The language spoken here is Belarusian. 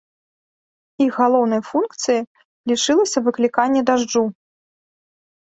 Іх галоўнай функцыяй лічылася выкліканне дажджу.